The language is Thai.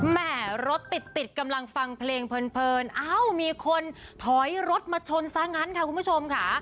แม่รถติดติดกำลังฟังเพลงเพลินเอ้ามีคนถอยรถมาชนซะงั้นค่ะคุณผู้ชมค่ะ